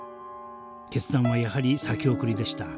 決断はやはり先送りでした。